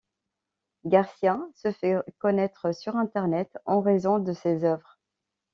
García se fait connaître sur internet en raison de ses œuvres.